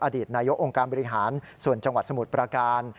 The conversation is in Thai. อดีตนายกองค์การบริหารส่วนจังหวัดสมุทรประการ